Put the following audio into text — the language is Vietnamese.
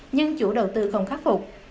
nhưng chủ đầu tư không khắc phục